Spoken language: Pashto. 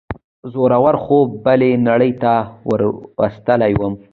زوره ور خوب بلې نړۍ ته وروستلی وم.